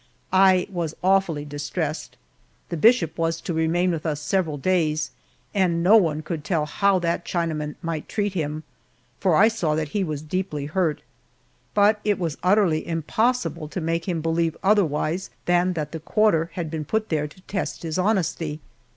I was awfully distressed. The bishop was to remain with us several days, and no one could tell how that Chinaman might treat him, for I saw that he was deeply hurt, but it was utterly impossible to make him believe otherwise than that the quarter had been put there to test his honesty.